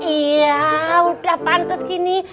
iya udah pantas gini